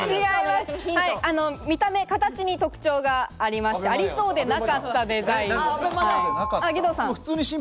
見た目、形に特徴がありまして、ありそうでなかったデザイン。